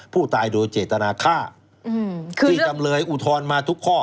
ผู้ตายโดยเจตนาฆ่าอืมคือที่จำเลยอุทรมาทุกข้อ